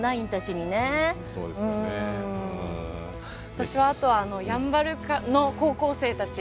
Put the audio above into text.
私はあとやんばるの高校生たち。